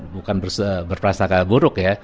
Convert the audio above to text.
bukan berperasaan buruk ya